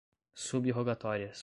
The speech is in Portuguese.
sub-rogatórias